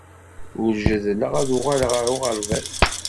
Ur jeddleɣ ad uɣaleɣ ɣer uɣerbaz.